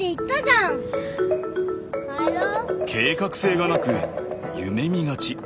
計画性がなく夢見がち。